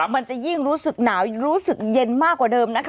มันจะยิ่งรู้สึกหนาวรู้สึกเย็นมากกว่าเดิมนะคะ